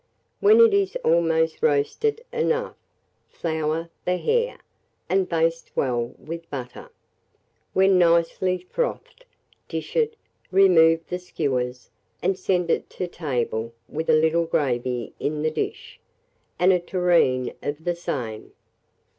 When it is almost roasted enough, flour the hare, and baste well with butter. When nicely frothed, dish it, remove the skewers, and send it to table with a little gravy in the dish, and a tureen of the same.